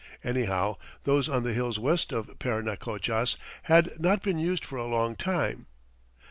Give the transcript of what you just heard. Anyhow, those on the hills west of Parinacochas had not been used for a long time.